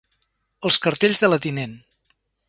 Els cartells de la tinent.